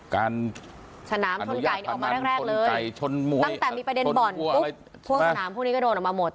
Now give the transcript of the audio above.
การชน้ำชนไก่ออกมาแรกเลยตั้งแต่มีประเด็นบ่อนพวกชน้ำพวกนี้ก็โดนออกมาหมด